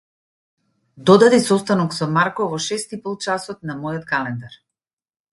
Додади состанок со Марко во шест ипол часот на мојот календар.